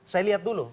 saya lihat dulu